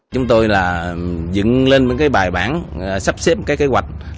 chúng tôi là dựng lên một cái bài bản sắp xếp một cái kế hoạch